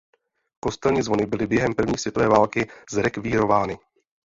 Kostelní zvony byly během první světové války zrekvírovány.